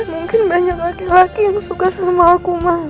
mungkin banyak laki laki yang suka sama aku ma